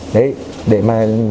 đấy để mà